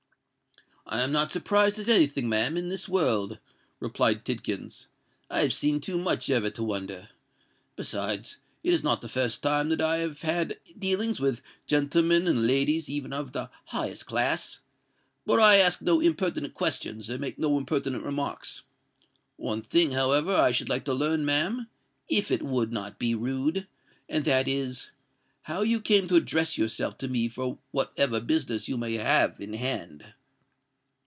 "I am not surprised at any thing, ma'am, in this world," replied Tidkins: "I've seen too much ever to wonder. Besides, it is not the first time that I have had dealings with gentlemen and ladies even of the highest class. But I ask no impertinent questions, and make no impertinent remarks. One thing, however, I should like to learn, ma'am—if it would not be rude: and that is, how you came to address yourself to me for whatever business you may have in hand?"